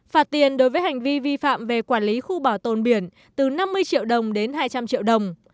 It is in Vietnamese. phạt tiền đối với hành vi vi phạm về quản lý khu bảo tồn biển từ năm mươi triệu đồng đến hai trăm linh triệu đồng